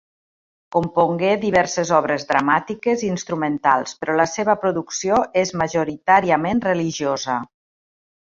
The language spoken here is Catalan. Compongué diverses obres dramàtiques i instrumentals, però la seva producció és majoritàriament religiosa.